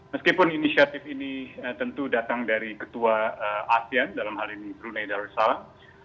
meskipun inisiatif ini tentu datang dari ketua asean dalam hal ini brunei darussalam